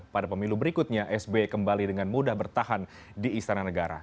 pada pemilu berikutnya sby kembali dengan mudah bertahan di istana negara